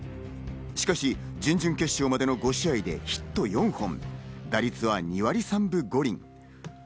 しかし、準々決勝までの５試合でヒット４本、打率は２割３分５厘。